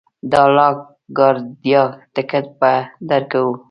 د لا ګارډیا ټکټ به درکړو.